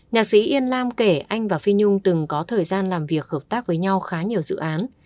nhạc sĩ yên lam kể anh và phi nhung từng có thời gian làm việc hợp tác với nhau khá nhiều dự án